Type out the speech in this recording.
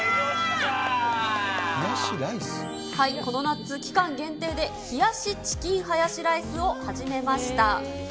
この夏、期間限定で冷やしチキンハヤシライスを始めました。